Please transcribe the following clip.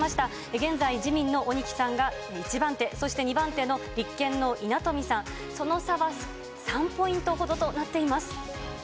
現在、自民の鬼木さんが１番手、そして２番手の立憲の稲富さん、その差は３ポイントほどとなっています。